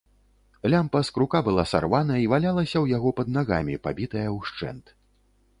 Лямпа з крука была сарвана і валялася ў яго пад нагамі, пабітая ўшчэнт.